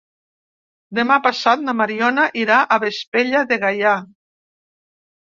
Demà passat na Mariona irà a Vespella de Gaià.